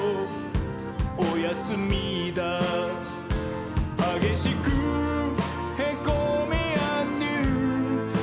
おやすみだー」「はげしくへこみーあんどゆー」